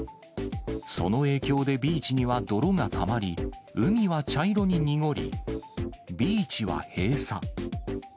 その影響でビーチには泥がたまり、海は茶色に濁り、ビーチは閉鎖。